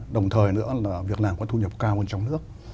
đồng thời nữa là việc làm có thu nhập cao hơn trong nước